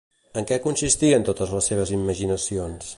En què consistien totes les seves imaginacions?